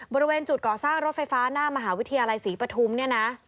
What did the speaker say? บริเวณจุดก่อสร้างรถไฟฟ้าหน้ามหาวิทยาลัยศรีปฐุมเนี่ยนะ